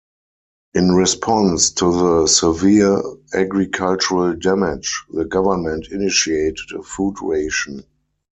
In response to the severe agricultural damage, the government initiated a food ration.